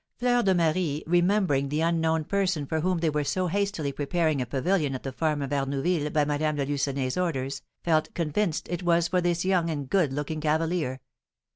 Fleur de Marie, remembering the unknown person for whom they were so hastily preparing a pavilion at the farm of Arnouville by Madame de Lucenay's orders, felt convinced it was for this young and good looking cavalier.